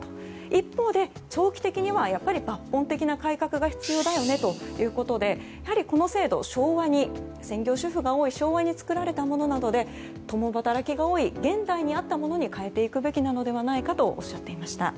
一方で長期的には抜本的な改革が必要だよねということでやはりこの制度は専業主婦が多い昭和に作られたものなので共働きが多い現代に合ったものに変えていくべきなのではないかとおっしゃっていました。